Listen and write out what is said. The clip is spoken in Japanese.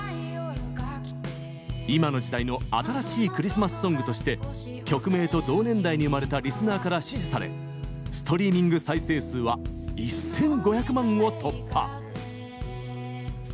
「今の時代の新しいクリスマスソング」として曲名と同年代に生まれたリスナーから支持されストリーミング再生数は１５００万を突破。